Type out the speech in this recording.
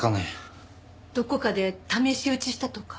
どこかで試し撃ちしたとか？